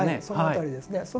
その辺りですね。